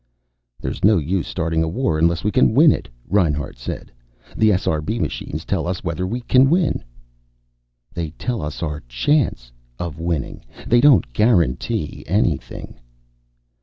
"There's no use starting the war unless we can win it," Reinhart said. "The SRB machines tell us whether we can win." "They tell us our chance of winning. They don't guarantee anything."